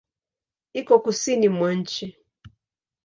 Iko Kusini mwa nchi.